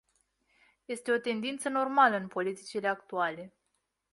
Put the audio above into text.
Este o tendință normală în politicile actuale.